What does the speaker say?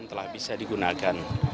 telah bisa digunakan